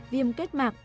viêm kết mạc